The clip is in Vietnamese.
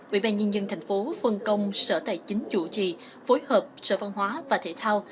ủy ban nhân dân thành phố phân công sở tài chính chủ trì phối hợp sở văn hóa và thể thao